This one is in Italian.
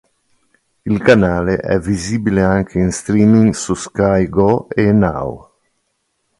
Il canale è visibile anche in streaming su Sky Go e Now.